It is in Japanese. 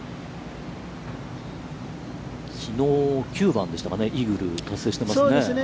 きのう、９番でしたか、イーグルを達成していますね。